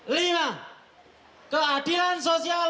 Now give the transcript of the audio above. lima keadilan sosial